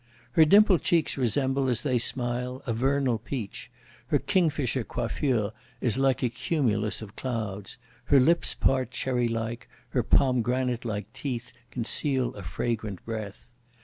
Her dimpled cheeks resemble, as they smile, a vernal peach; her kingfisher coiffure is like a cumulus of clouds; her lips part cherry like; her pomegranate like teeth conceal a fragrant breath.